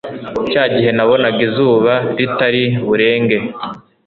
cyagihe nabonaga izuba rtari burenge